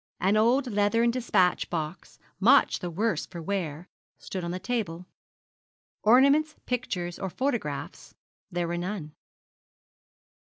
An old leathern despatch box, much the worse for wear, stood on the table. Ornaments, pictures, or photographs there were none.